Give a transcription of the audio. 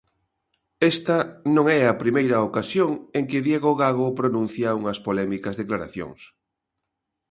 Esta non é a primeira ocasión en que Diego Gago pronuncia unhas polémicas declaracións.